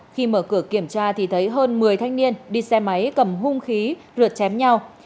khi mở cửa kiểm tra thì thấy hơn một mươi thanh niên đi xe máy cầm hung khí rượt chém nhau